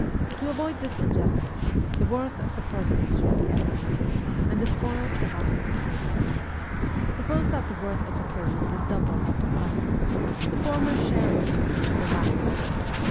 To avoid this injustice, the worth of the persons should be estimated, and the spoils divided accordingly. Suppose that the worth of Achilles is double that of Ajax: the former's share is eight, the latter four.